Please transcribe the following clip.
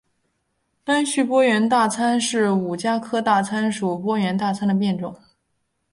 单序波缘大参是五加科大参属波缘大参的变种。